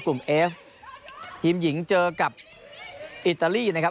เอฟทีมหญิงเจอกับอิตาลีนะครับ